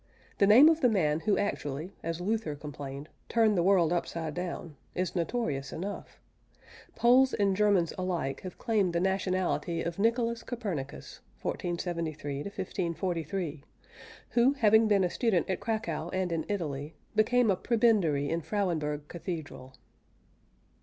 The name of the man who actually (as Luther complained) turned the world upside down, is notorious enough. Poles and Germans alike have claimed the nationality of Nicolaus Copernicus (1473 1543); who, having been a student at Cracow and in Italy, became a prebendary in Frauenburg Cathedral.